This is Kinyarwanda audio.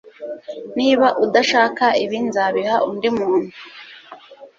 Niba udashaka ibi nzabiha undi muntu